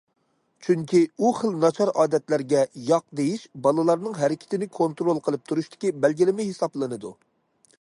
چۈنكى، ئۇ خىل ناچار ئادەتلەرگە« ياق» دېيىش، بالىلارنىڭ ھەرىكىتىنى كونترول قىلىپ تۇرۇشتىكى بەلگىلىمە ھېسابلىنىدۇ.